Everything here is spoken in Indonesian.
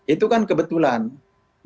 itu kan kebetulan